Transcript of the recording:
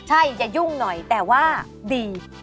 ใช่อย่ายุ่งหน่อยแต่ว่าดี